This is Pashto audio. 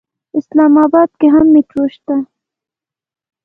اسلام اباد کې هم مېټرو شته.